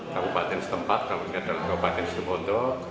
kabupaten setempat kabupaten kabupaten situ sebut